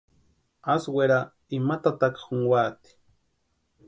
Asï wera ima tataka junkwaati.